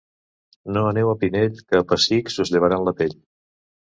No aneu al Pinell, que a pessics us llevaran la pell.